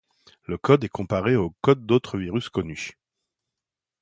Le code est comparé aux codes d’autres virus connus.